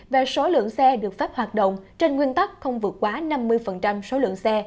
về số lượng xe được phép hoạt động trên nguyên tắc không vượt quá năm mươi số lượng xe